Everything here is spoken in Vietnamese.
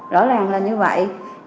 rõ ràng là như vậy